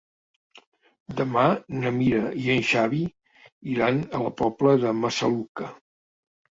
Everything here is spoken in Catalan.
Demà na Mira i en Xavi iran a la Pobla de Massaluca.